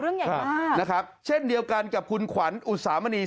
ใหญ่มากนะครับเช่นเดียวกันกับคุณขวัญอุตสามณี